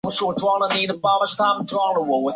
都市发展持续改变里昂的面貌。